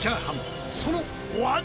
そのお味は。